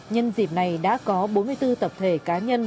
nhân dịp này đã có bốn mươi bốn tập thể cá nhân